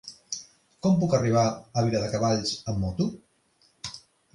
Com puc arribar a Viladecavalls amb moto?